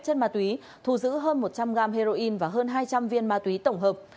chất ma túy thu giữ hơn một trăm linh gram heroin và hơn hai trăm linh viên ma túy tổng hợp